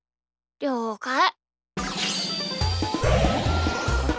りょうかい！